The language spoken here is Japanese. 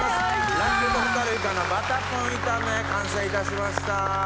ラッキョウとホタルイカのバタポン炒め完成いたしました。